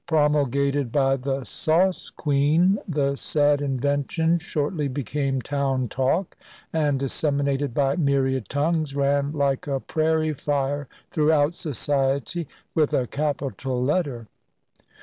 Promulgated by the "sauce queen," the sad invention shortly became town talk, and, disseminated by myriad tongues, ran like a prairie fire throughout Society, with a capital letter.